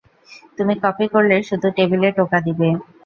তুমি কপি করলে শুধু টেবিলে টোকা দিবে।